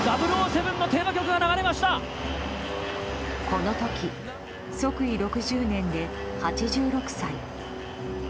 この時、即位６０年で８６歳。